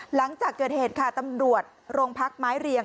หลังจากเกิดเหตุค่ะตำรวจโรงพักไม้เรียง